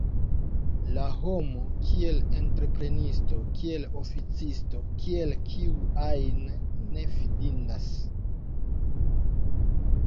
La homo kiel entreprenisto, kiel oficisto, kiel kiu ajn, ne fidindas.